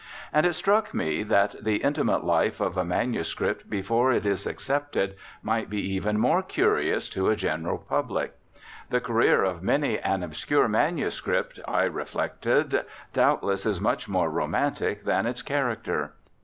And it struck me that the intimate life of a manuscript before it is accepted might be even more curious to the general public. The career of many an obscure manuscript, I reflected, doubtless is much more romantic than its character.